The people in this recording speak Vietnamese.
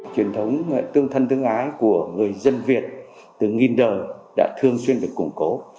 truyền thống tương thân tương ái của người dân việt từ nghìn đời đã thường xuyên được củng cố